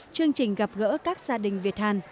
chương trình gặp gỡ các gia đình việt hàn